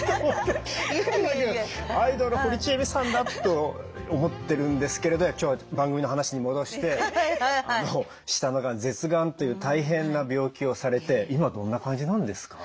アイドル堀ちえみさんだと思ってるんですけれど今日は番組の話に戻して舌のがん舌がんという大変な病気をされて今どんな感じなんですか？